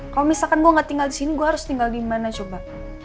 kalau misalkan gue gak tinggal di sini gue harus tinggal di mana coba